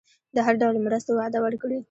د هر ډول مرستو وعده ورکړي.